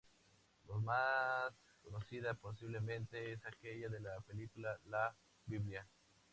La más conocida posiblemente es aquella de la película "La Biblia...